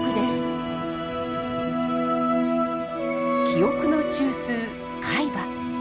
記憶の中枢海馬。